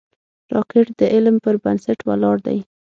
راکټ د علم پر بنسټ ولاړ دی